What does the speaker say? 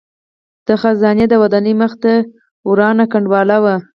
د خزانې د ودانۍ مخې ته ورانه کنډواله وه.